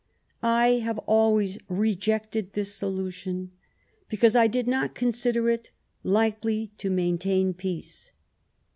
I have always rejected this solution, because I did not consider it likely to maintain peace.